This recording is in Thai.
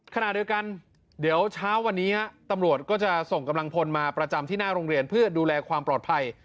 ขณะเดียวกันเดี๋ยวเช้าวันนี้ตำรวจก็จะส่งกำลังพลมาประจำที่หน้าโรงเรียนเพื่อดูแลความปลอดภัย